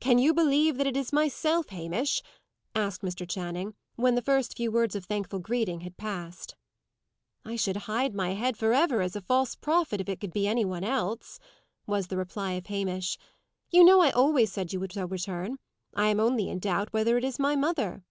"Can you believe that it is myself, Hamish?" asked Mr. Channing, when the first few words of thankful greeting had passed. "I should hide my head for ever as a false prophet if it could be any one else," was the reply of Hamish. "You know I always said you would so return. I am only in doubt whether it is my mother."